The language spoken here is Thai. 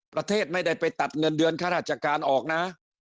ประเทศไม่ได้ไปตัดเงินเดือนข้าราชการออกนะ